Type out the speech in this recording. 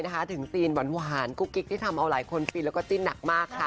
ถ้าถ่ายแฟนแบบนี้เลยนะคะ